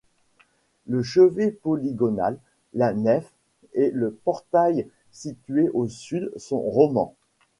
Le chevet polygonal, la nef et le portail situé au sud sont romans.